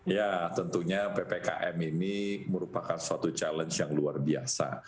ya tentunya ppkm ini merupakan suatu challenge yang luar biasa